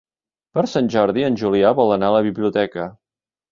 Per Sant Jordi en Julià vol anar a la biblioteca.